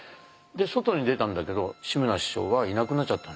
で外に出たんだけど志村師匠はいなくなっちゃった。